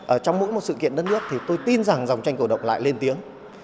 ở trong mỗi một sự kiện đất nước thì tôi tin rằng dòng tranh cổ động lại lên tiếng